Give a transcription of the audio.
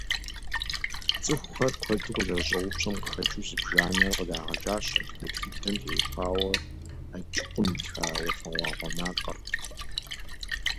ЦӀыхухэр куэду къызэрыщӀэупщӀэм къыхэкӀыу зыбжанэрэ къыдагъэкӀащ адыгэ тхыдэм теухуауэ Аджыкъум итха «Уафэгъуагъуэ макъыр».